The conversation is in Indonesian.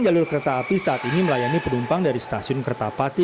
jalur kereta api saat ini melayani penumpang dari stasiun kertapati